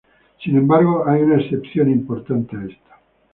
Sin embargo, hay una excepción importante a esta.